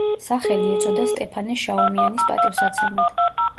სახელი ეწოდა სტეფანე შაუმიანის პატივსაცემად.